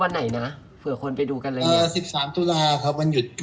วันไหนนะเปล่าคนไปดูกันหรือง่ะ